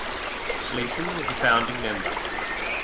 Gleason was a founding member.